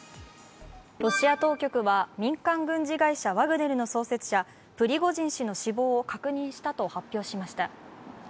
ロシア当局は民間軍事会社ワグネルの創設者、プリゴジン氏の死亡を確認したと発表しました。